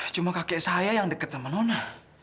cuma kakek saya yang dekat sama nona